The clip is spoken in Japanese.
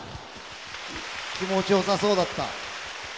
気持ち良さそうだった。